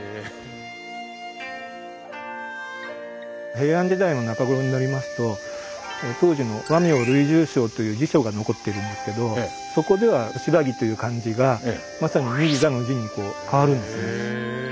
平安時代の中頃になりますと当時の「和名類聚抄」という辞書が残っているんですけどそこでは「新羅」という漢字がまさに「新座」の字に変わるんですね。